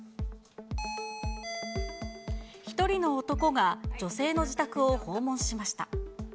１人の男が女性の自宅を訪問しました。